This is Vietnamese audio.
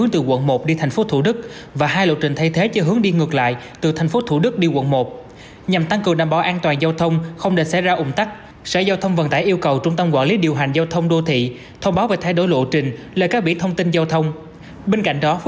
tiếp tục với một số vấn đề khác sở giao thông vận tải tp hcm vừa có công văn thông báo